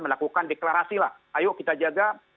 melakukan deklarasi lah ayo kita jaga